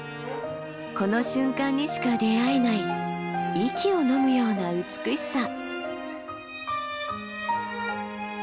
この瞬間にしか出会えない息をのむような美しさ。